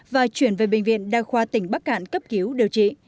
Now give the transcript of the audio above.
và chuyển về bệnh viện đa khoa tỉnh bắc cạn cấp cứu điều trị